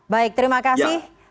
baik terima kasih